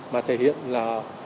mà thể hiện là